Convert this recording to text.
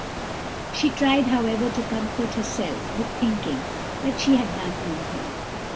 She tried, however, to comfort herself with thinking that she had done no harm.